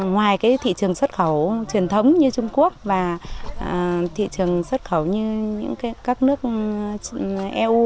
ngoài cái thị trường xuất khẩu truyền thống như trung quốc và thị trường xuất khẩu như các nước eu